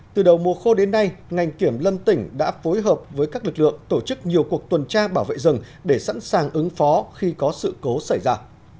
từ đầu mùa khô đến nay ngành kiểm lâm tỉnh đã phối hợp với các lực lượng tổ chức nhiều cuộc tuần tra bảo vệ rừng để sẵn sàng ứng phó khi có sự cố xảy ra